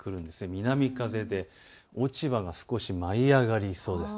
南風で落ち葉が少し舞い上がりそうです。